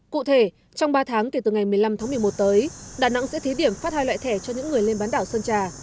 cụ thể trong ba tháng kể từ ngày một mươi năm tháng một mươi một tới đà nẵng sẽ thí điểm phát hai loại thẻ cho những người lên bán đảo sơn trà